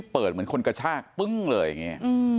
เหมือนคนกระชากปึ้งเลยอย่างนี้